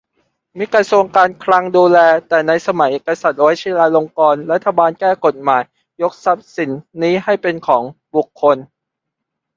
มีกระทรวงการคลังดูแล แต่ในสมัยกษัตริย์วชิราลงกรณ์ รัฐบาลแก้กฎหมายยกทรัพย์สินนี้ให้เป็นของบุคคล